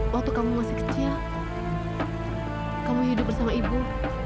waktu kamu masih kecil kamu hidup bersama ibu